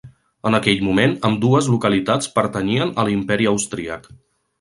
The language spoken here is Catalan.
En aquell moment ambdues localitats pertanyien a l'Imperi Austríac.